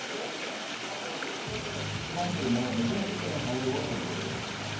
スクランブルも無人機での対応を検討です。